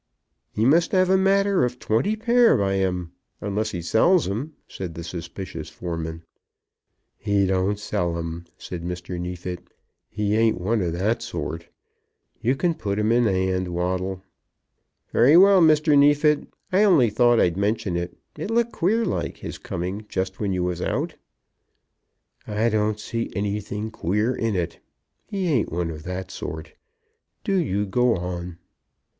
"He must 'ave a matter of twenty pair by him, unless he sells 'em," said the suspicious foreman. "He don't sell 'em," said Mr. Neefit. "He ain't one of that sort. You can put 'em in hand, Waddle." "Very well, Mr. Neefit. I only thought I'd mention it. It looked queer like, his coming just when you was out." "I don't see anything queer in it. He ain't one of that sort. Do you go on."